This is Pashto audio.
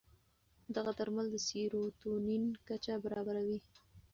دغه درمل د سیروتونین کچه برابروي.